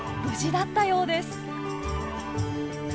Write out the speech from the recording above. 無事だったようです。